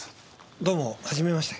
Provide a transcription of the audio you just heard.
どうもはじめまして。